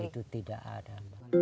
itu tidak ada